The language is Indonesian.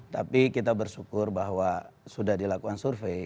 tapi kita bersyukur bahwa sudah dilakukan survei